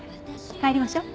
帰りましょう。